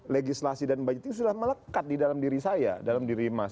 legislasi dan budget itu sudah melekat di dalam diri saya dalam diri mas